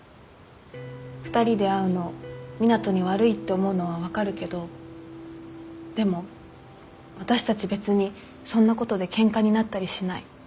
２人で会うの湊斗に悪いって思うのは分かるけどでも私たち別にそんなことでケンカになったりしない。